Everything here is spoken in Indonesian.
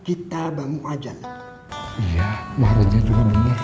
itu cuma sedikit dari sekian banyak